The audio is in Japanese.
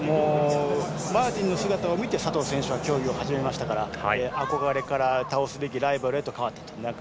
マーティンの姿を見て佐藤選手は競技を始めましたから憧れから倒すべきライバルに変わったと。